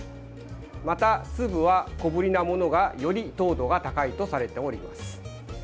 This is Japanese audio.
また、粒は小ぶりなものがより糖度が高いとされております。